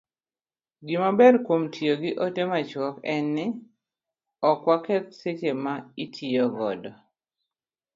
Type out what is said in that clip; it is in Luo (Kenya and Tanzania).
Gimaber kuom tiyo gi ote machuok en ni, ok waketh seche ma itiyo godo